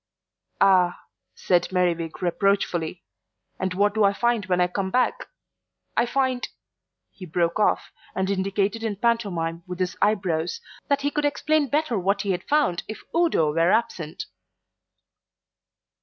"Ah," said Merriwig reproachfully, "and what do I find when I come back? I find " He broke off, and indicated in pantomime with his eyebrows that he could explain better what he had found if Udo were absent.